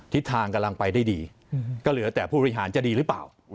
ทิศทางกำลังไปได้ดีก็เหลือแต่ผู้บริหารจะดีหรือเปล่า